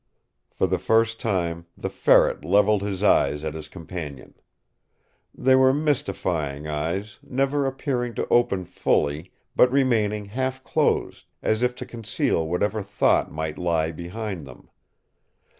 For the first time the Ferret leveled his eyes at his companion. They were mystifying eyes, never appearing to open fully, but remaining half closed as if to conceal whatever thought might lie behind them.